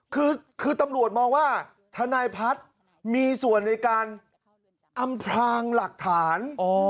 คือตำรวจมองว่าทนายพัฒน์มีส่วนในการอำพลางหลักฐาน